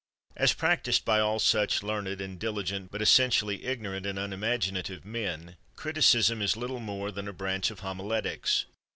As practiced by all such learned and diligent but essentially ignorant and unimaginative men, criticism is little more than a branch of homiletics.